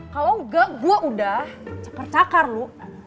kalo engga gue udah percakar lo